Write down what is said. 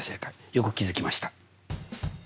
よく気付きました。